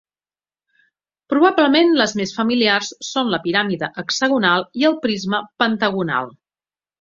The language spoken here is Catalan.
Probablement les més familiars són la piràmide hexagonal i el prisma pentagonal.